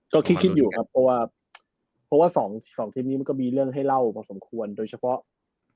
ก็คิดอยู่ที่ต้อ๒ทีมนี้มันก็มีเรื่องให้เล่ามาสมควรโดยเฉพาะ